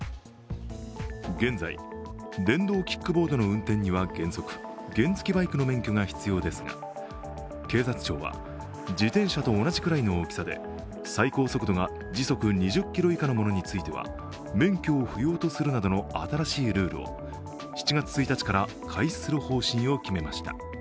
現在、電動キックボードの運転には原則、原付きバイクの免許が必要ですが、警察庁は、自転車と同じくらいの大きさで最高速度が時速２０キロ以下のものについては免許を不要とするなどの新しいルールを７月１日から開始する方針を決めました。